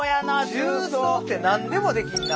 重曹って何でもできんな。